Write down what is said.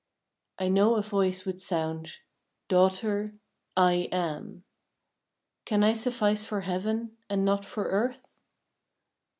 I know a Voice would sound, " Daughter, I AM. Can I suffice for Heaven, and not for earth